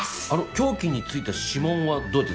凶器についた指紋はどうやって？